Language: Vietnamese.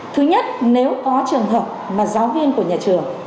thứ nhất nếu có trường hợp mà giáo viên của nhà trường